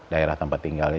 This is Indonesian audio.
daerah tempat tinggalnya